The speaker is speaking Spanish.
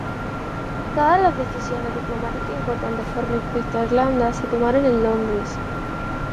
Todas las decisiones diplomáticas importantes con respecto a Irlanda se tomaron en Londres.